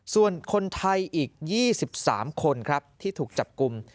ส่วนคนไทยอีกยี่สิบสามคนครับที่ถูกจับกลุ่ม